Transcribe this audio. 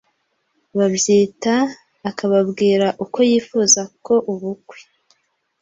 babyita, akababwira uko yifuza ko ubukwe